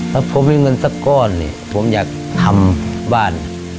ถ้าผมมีเงินสักก้อนผมอยากทำบ้าน